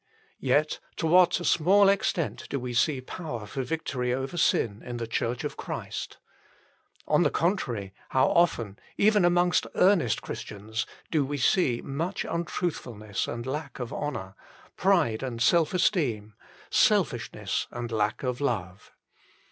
Yet, to what a small extent do we see power for victory over sin in the Church of Christ. On the contrary, how often, even amongst earnest Christians, do we see much untruthfulness and lack of honour, pride and self esteem, selfishness and lack of love.